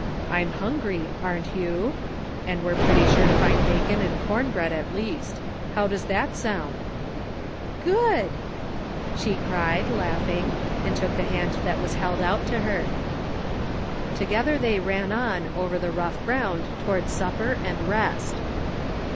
I'm htmgry, aren't you? And we're pretty sure to find bacon and corn bread at least. How does that sound ?"" Good !" she cried, laughing, and took the hand 64 THE FINDING OF JASPER HOLT that was held out to her. Together they ran on over the rough ground toward supper and rest.